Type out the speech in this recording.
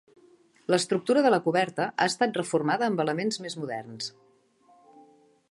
L'estructura de la coberta ha estat reformada amb elements més moderns.